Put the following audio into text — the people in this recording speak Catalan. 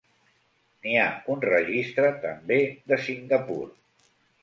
N'hi ha un registre també de Singapur.